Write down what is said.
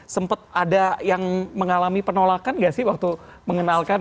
sempat ada yang mengalami penolakan nggak sih waktu mengenalkan